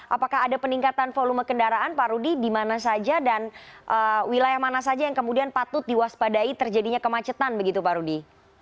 apakah ada peningkatan volume kendaraan pak rudi di mana saja dan wilayah mana saja yang kemudian patut diwaspadai terjadinya kemacetan begitu pak rudi